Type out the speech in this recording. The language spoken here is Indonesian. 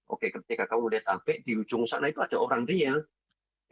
oke ketika kamu lihat abek di ujung sana itu ada orang riang